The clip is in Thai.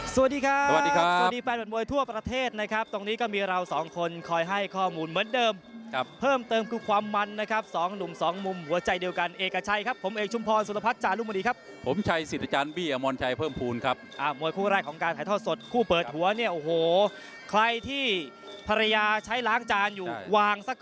สวัสดีครับสวัสดีครับสวัสดีแปลนวัดมวยทั่วประเทศนะครับตรงนี้ก็มีเราสองคนคอยให้ข้อมูลเหมือนเดิมครับเพิ่มเติมความมันนะครับสองหนุ่มสองมุมหัวใจเดียวกันเอกกับชัยครับผมเอกชุมพรสุรพัฒน์จารุมดีครับผมชัยสิทธิ์อาจารย์บี้อมรชัยเพิ่มภูมิครับอ่ามวยคู่แรกของการถ่ายทอดสดคู่เปิดหัว